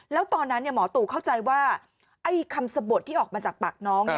แล้วตอนนั้นหมอตู่เข้าใจว่าไอ้คำสะบดที่ออกมาจากปากน้อง